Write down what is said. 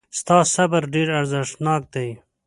ستا صبر ډېر ارزښتناک دی.